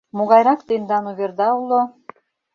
— Могайрак тендан уверда уло?